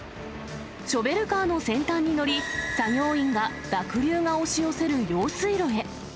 ショベルカーの先端に乗り、作業員が濁流が押し寄せる用水路へ。